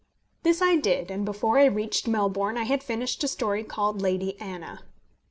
This I did; and before I reached Melbourne I had finished a story called Lady Anna.